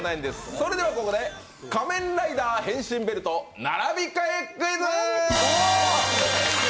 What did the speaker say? それではここで仮面ライダー変身ベルト並び替えクイズ！